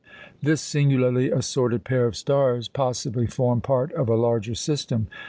This singularly assorted pair of stars possibly form part of a larger system.